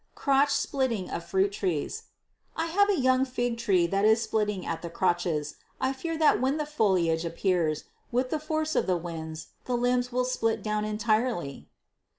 Crotch Splitting of Fruit Trees. I have a young fig tree that is splitting at the crotches. I fear that when the foliage appears, with the force of the winds the limbs will split down entirely.